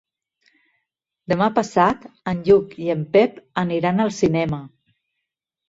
Demà passat en Lluc i en Pep aniran al cinema.